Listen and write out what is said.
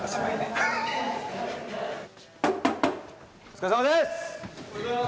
お疲れさまです！